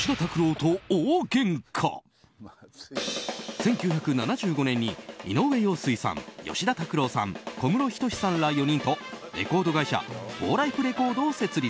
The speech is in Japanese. １９７５年に井上陽水さん、吉田拓郎さん小室等さんら４人とレコード会社フォーライフレコードを設立。